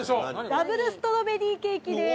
ダブルストロベリーケーキです。